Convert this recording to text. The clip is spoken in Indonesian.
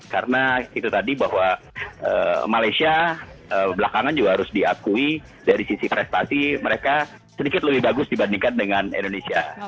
karena itu tadi bahwa malaysia belakangan juga harus diakui dari sisi prestasi mereka sedikit lebih bagus dibandingkan dengan indonesia